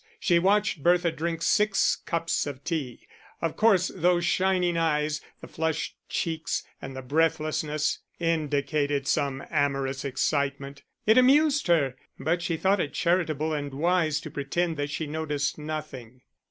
She watched Bertha drink six cups of tea: of course those shining eyes, the flushed cheeks and the breathlessness, indicated some amorous excitement; it amused her, but she thought it charitable and wise to pretend that she noticed nothing.